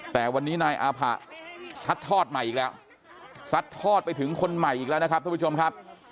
แต่วันนี้นายอาผะซัดทอดใหม่อีกแล้วซัดทอดไปถึงคนใหม่อีกแล้วนะครับท่านผู้ชมครับ